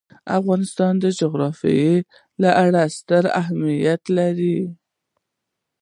د افغانستان جغرافیه کې اوړي ستر اهمیت لري.